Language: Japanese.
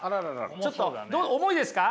ちょっとどう重いですか？